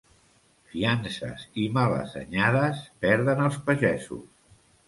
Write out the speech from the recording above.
Fiances i males anyades perden els pagesos.